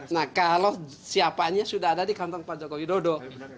nah kalau siapanya sudah ada di kantong pak jokowi dodo